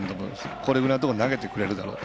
これぐらいのところに投げてくれるだろうと。